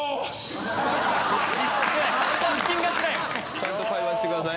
ちゃんと会話してください。